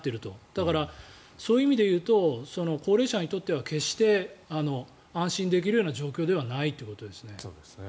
だからそういう意味で言うと高齢者にとっては決して安心できるような状況ではないっていうことですね。